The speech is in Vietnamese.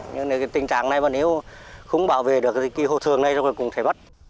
nhưng nếu tình trạng này nếu không bảo vệ được cái hộ thường này rồi cũng sẽ bắt